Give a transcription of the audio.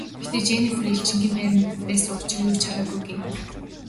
Гэхдээ Женнифер элчингийн байранд байсан учир юу ч хараагүй гэнэ.